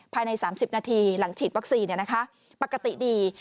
ภายใน๓๐นาทีหลังฉีดวัคซีนปกติดี